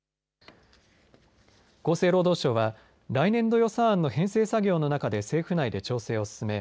厚生労働省は来年度予算案の編成作業の中で政府内で調整を進め